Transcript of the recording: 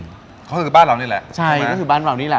ก็คือบ้านเรานี่แหละใช่ก็คือบ้านเรานี่แหละ